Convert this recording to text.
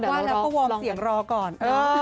แต่ว่านักร้องก็วอมเสียงรอก่อน